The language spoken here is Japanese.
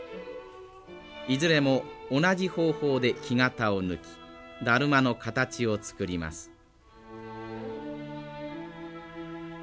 いずれも同じ方法で木型を抜きだるまの形を作ります。